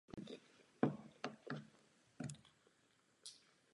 Kresba se dělí na kresbu hlavy a kresbu těla.